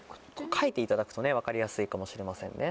書いていただくと分かりやすいかもしれませんね。